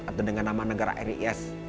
atau dengan nama negara ris